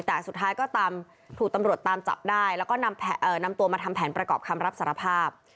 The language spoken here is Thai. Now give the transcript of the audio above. แต่สุดท้ายก็ตามถูกตำรวจตามจับได้แล้วก็นำตัวมาทำแผนประกอบคำรับสารภาพ